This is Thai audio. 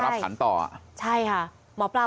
อาการชัดเลยนะคะหมอปลา